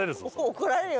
怒られるよ